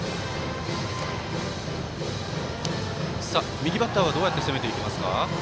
右バッターはどうやって攻めていきますか？